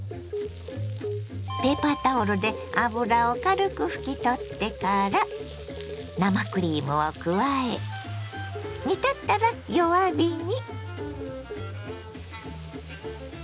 ペーパータオルで脂を軽く拭き取ってから生クリームを加え煮立ったら弱火に。